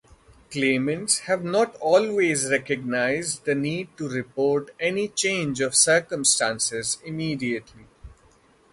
Claimants have not always recognised the need to report any change of circumstances immediately.